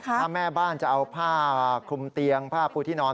ถ้าแม่บ้านจะเอาผ้าคลุมเตียงผ้าปูที่นอน